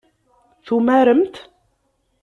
Tumaremt?